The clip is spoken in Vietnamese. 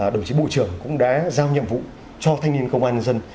đồng chí bộ trưởng cũng đã giao nhiệm vụ cho thanh niên công an nhân dân